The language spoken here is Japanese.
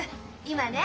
今ね